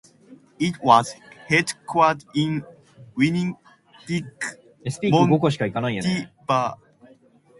It was headquartered in Winnipeg, Manitoba.